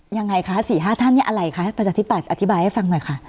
ยังไงคะ๔๕ท่านเนี่ยอะไรคะประชาธิบัตย์อธิบายให้ฟังหน่อยค่ะ